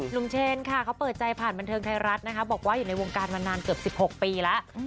นเชนค่ะเขาเปิดใจผ่านบันเทิงไทยรัฐนะคะบอกว่าอยู่ในวงการมานานเกือบ๑๖ปีแล้ว